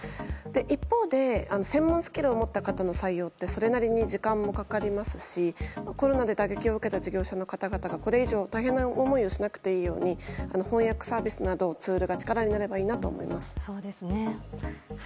一方で専門スキルを持った方の採用ってそれなりに時間もかかりますしコロナで打撃を受けた事業者の方々がこれ以上大変な思いをしなくていいように翻訳サービスなどのツールが力になればいいなと思います。